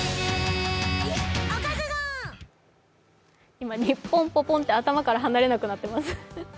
今、ニッポンポポンって頭から離れなくなっています。